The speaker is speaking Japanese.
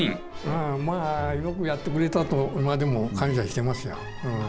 まあよくやってくれたと、今でも感謝してますよ。